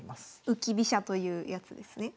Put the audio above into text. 浮き飛車というやつですね。